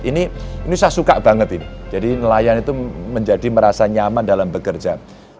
ini saya suka banget ini jadi nelayan itu menjadi merasa nyaman dalam bekerja